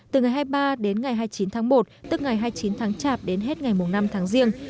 từ ngày hai mươi ba đến ngày hai mươi chín tháng một tức ngày hai mươi chín tháng chạp đến hết ngày năm tháng riêng